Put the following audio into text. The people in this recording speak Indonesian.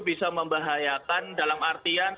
bisa membahayakan dalam artian